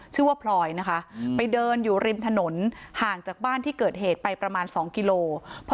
พลอยนะคะไปเดินอยู่ริมถนนห่างจากบ้านที่เกิดเหตุไปประมาณ๒กิโล